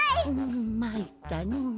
んまいったのう。